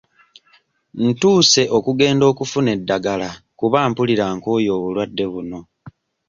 Ntuuse okugenda okufuna eddagala kuba mpulira nkooye obulwadde buno.